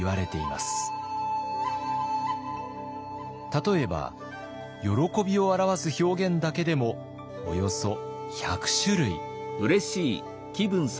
例えば「喜び」を表す表現だけでもおよそ１００種類。